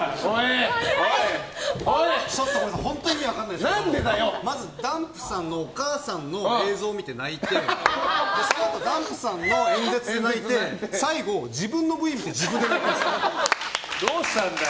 ちょっと本当に意味分からないんですけどまず、ダンプさんのお母さんの映像を見て泣いてそのあとダンプさんの演説で泣いて最後、自分のＶを見て自分で泣いてるんですよ。